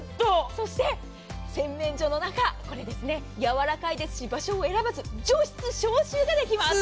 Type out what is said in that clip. そして、洗面所の中やわらかいですし場所を選ばず除湿・消臭ができます。